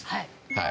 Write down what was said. はい。